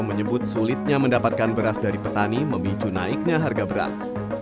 menyebut sulitnya mendapatkan beras dari petani memicu naiknya harga beras